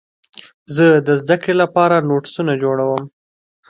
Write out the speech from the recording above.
زه د زدهکړې لپاره نوټسونه جوړوم.